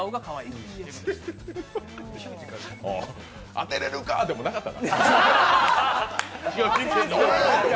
当てれるかでもなかったから。